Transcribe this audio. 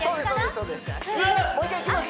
そうです